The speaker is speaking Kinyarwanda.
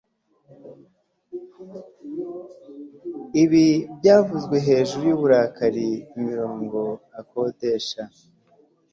Ibi byavuzwe hejuru yuburakari imirongo akodesha